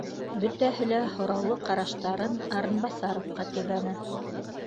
Бөтәһе лә һораулы ҡараштарын Лрыибаҫаровҡа төбәне